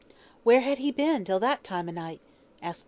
"Where had he been till that time o' night?"